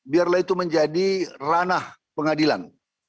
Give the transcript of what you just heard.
biarlah itu menjadi ranah pengadilan